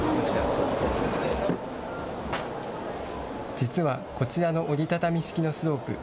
実はこちらの折り畳み式のスロープ。